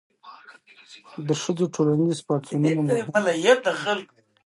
د ښځو ټولنیز پاڅونونه مهم وو.